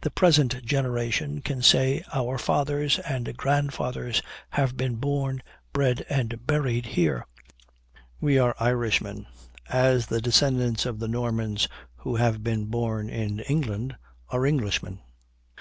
The present generation can say, 'Our fathers and grandfathers have been born, bred, and buried here. We are Irishmen, as the descendants of the Normans who have been born in England are Englishmen.'